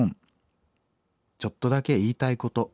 ちょっとだけ言いたいこと。